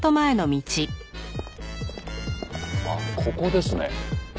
あっここですね。